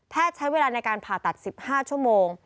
ใช้เวลาในการผ่าตัด๑๕ชั่วโมง